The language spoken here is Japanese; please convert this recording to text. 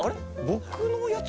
僕のやつ